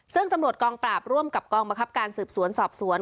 ซึ่งตำรวจกองปราบร่วมกับกองบังคับการสืบสวนสอบสวน